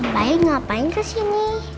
om baik ngapain kesini